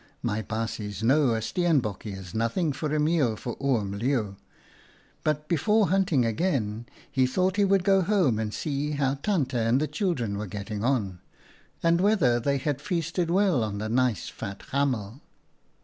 My baasjes know a steenbokje is nothing for a meal for Oom Leeuw. But before hunting again he thought he would go home and see how Tante and the children were getting on, and whether they had feasted well on the nice fat hamel.